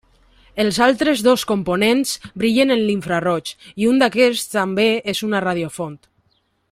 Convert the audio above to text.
Els altres dos components brillen en l'infraroig i un d'aquests també és una radiofont.